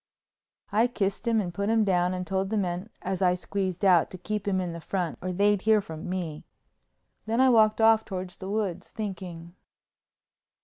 I kissed him and put him down and told the men as I squeezed out to keep him in the front or they'd hear from me. Then I walked off toward the woods thinking.